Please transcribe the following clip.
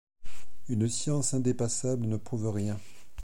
Une science indépassable ne prouve rien.